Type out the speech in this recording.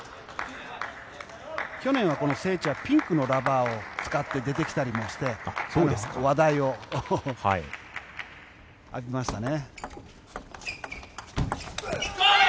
去年はこのセーチはピンクのラバーを使って、出てきたりもして話題がありましたね。